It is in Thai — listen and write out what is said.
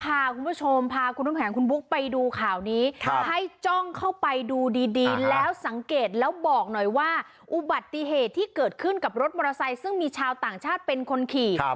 พาคุณผู้ชมพาคุณน้ำแข็งคุณบุ๊คไปดูข่าวนี้ให้จ้องเข้าไปดูดีแล้วสังเกตแล้วบอกหน่อยว่าอุบัติเหตุที่เกิดขึ้นกับรถมอเตอร์ไซค์ซึ่งมีชาวต่างชาติเป็นคนขี่